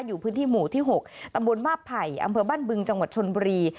อยู่พื้นที่หมู่ที่๖ตำบลมาบไผ่อำเภอบ้านบึงจังหวัดชนบุรี